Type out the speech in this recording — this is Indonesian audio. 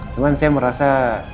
cuman saya merasa